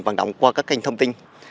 hoàn động qua các kênh thông tin